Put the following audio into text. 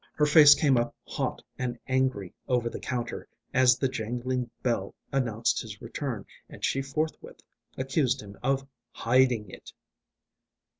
Her face came up hot and angry over the counter, as the jangling bell announced his return, and she forthwith accused him of "hiding it."